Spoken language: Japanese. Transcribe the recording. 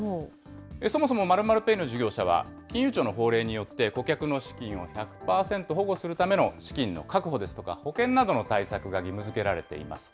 そもそも○○ペイの事業者は、金融庁の法令によって、顧客の資金を１００％保護するための資金の確保ですとか、保険などの対策が義務づけられています。